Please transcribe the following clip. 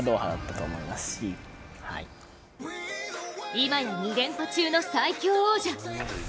今や２連覇中の最強王者。